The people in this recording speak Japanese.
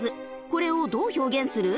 これをどう表現する？